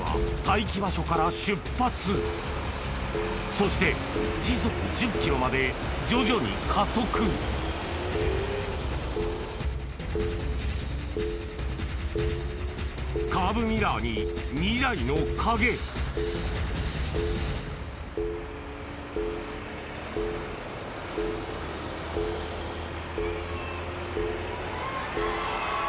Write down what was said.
そして時速１０キロまで徐々に加速カーブミラーに２台の影頑張れ！